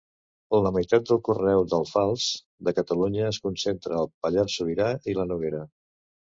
La meitat del conreu d'alfals de Catalunya es concentra al Pallars Sobirà i la Noguera.